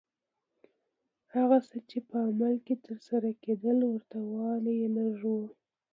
هغه څه چې په عمل کې ترسره کېدل ورته والی یې لږ و.